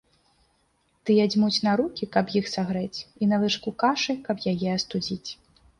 Тыя дзьмуць на рукі, каб іх сагрэць, і на лыжку кашы, каб яе астудзіць.